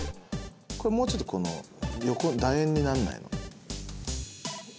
これもうちょっとこのだ円になんないの？